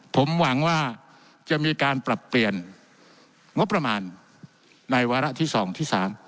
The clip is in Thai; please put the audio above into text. ผมหวังว่าจะมีการปรับเปลี่ยนงบประมาณในวาระที่๒ที่๓